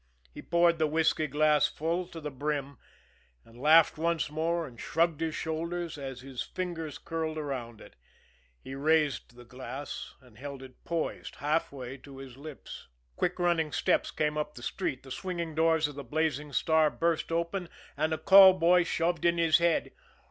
He poured the whisky glass full to the brim and laughed once more and shrugged his shoulders as his fingers curled around it. He raised the glass and held it poised halfway to his lips. Quick running steps came up the street, the swinging doors of the Blazing Star burst open and a call boy shoved in his head.